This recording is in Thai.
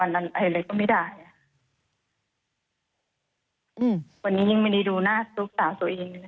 วันนี้ยิ่งไม่ได้ดูหน้าลูกสาวตัวเองเลย